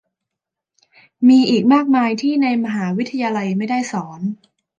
มีอีกมากมายที่ในมหาวิทยาลัยไม่ได้สอน